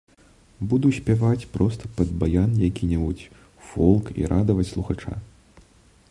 Буду спяваць проста пад баян які-небудзь фолк і радаваць слухача.